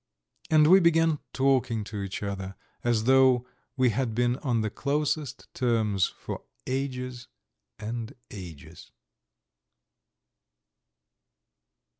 And we began talking to each other as though we had been on the closest terms for ages and ages.